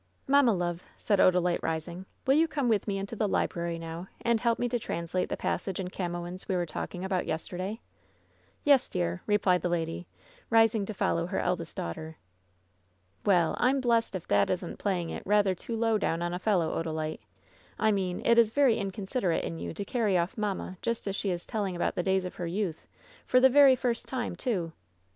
"Mamma, love," said Odalite, rising, "will you come with me into the library now and help me to translate the passage in Camoens we were talking about yester day?" "Yes, dear," replied the lady, rising to follow her eld est daughter. "Well, I'm blest if that isn't playing it rather too low down on a fellow, Odalite — ^I mean it is very inconsid erate in you to carry off mamma just as she is telling about the days of her youth, for the very first time, too